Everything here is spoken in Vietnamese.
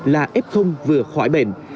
là ép không vừa khỏi bệnh